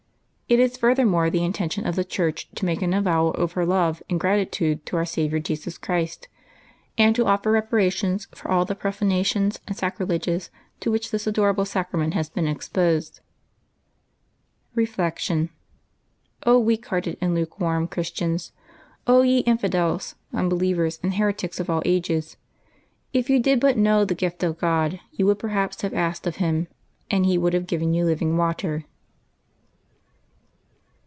It is furthermore the intention of the Church to make an avowal of her love and gratitude to Our Saviour Jesus Christ, and to offer reparation for all the profanations and sacrileges to which this adorable sacrament has been exposed. Reflection. — weak hearted and lukewarm Christians! ye infidels, unbelievers, and heretics of all ages !" if you did but know the gift of God, you would perhaps have asked of Him, and He would have given you living water